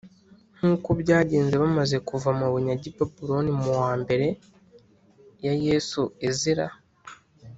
Nk uko byagenze bamaze kuva mu bunyage i babuloni mu wa mbere ya yesu ezira